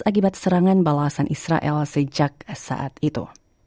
akibat serangan balasan israel sejak saat itu